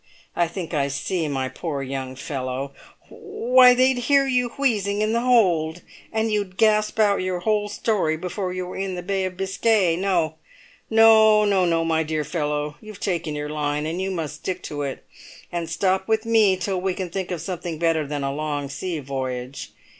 I think I see my poor young fellow! Why, they'd hear you wheezing in the hold, and you'd gasp out your whole story before you were in the Bay of Biscay! No, no, my fellow; you've taken your line, and you must stick to it, and stop with me till we can think of something better than a long sea voyage.